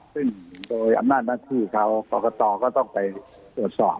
คือโดยอำนาจหน้าที่เขาปรากฏตรก็ต้องไปโดยสอบ